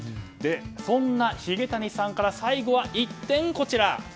そんなヒゲ谷サンから最後は一転、こちら。